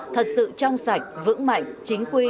thật sự trong sạch vững mạnh chính quy